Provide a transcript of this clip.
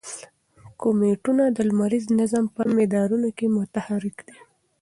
کومیټونه د لمریز نظام په مدارونو کې متحرک دي.